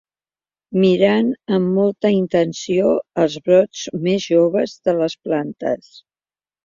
Mirant amb molta intenció els brots més joves de les plantes.